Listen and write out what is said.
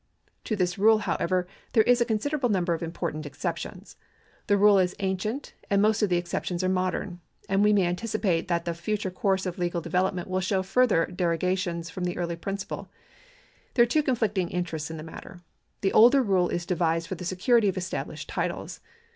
To this rule, however, there is a con siderable inimber of important exceptions. The rule is ancient, and most of the exceptions are modern ; and we may anticipate that the future course of legal development will show further derogations from the early principle. There are two conflicting interests in the matter. The older rule is devised for the security of established titles.